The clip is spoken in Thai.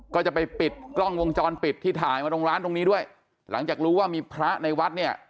ก็จะไปปิดกล้องวงจรปิดที่ถ่ายมาตรงร้านตรงนี้ด้วยหลังจากรู้ว่ามีพระในวัดเนี่ย